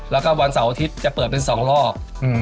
แล้วก็วันเสาร์อาทิตย์จะเปิดเป็น๒รอบ